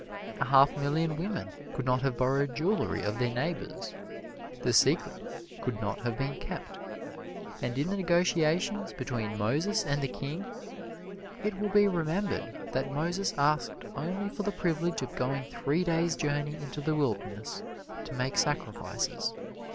A half million women could not have borrowed jewelry of their neighbors the secret could not have been kept. And in the negotiations between Moses and the King, it will be remembered that Moses asked only for the privilege of going three days' journey into the wilderness to make sacrifices.